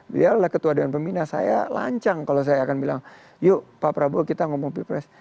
beliau adalah ketua dewan pembina saya lancang kalau saya akan bilang yuk pak prabowo kita ngomong pilpres